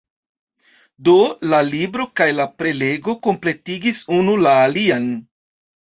Do, la libro kaj la prelego kompletigis unu la alian.